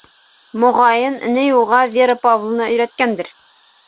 Моғайын, ни, уға Вера Павловна өйрәткәндер.